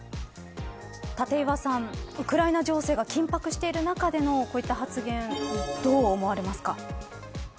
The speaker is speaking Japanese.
立岩さん、ウクライナ情勢が緊迫している中でのこういった発言どう思われますか。